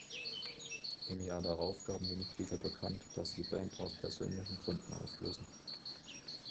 Im Jahr darauf gaben die Mitglieder bekannt, dass sie Band aus persönlichen Gründen auflösen.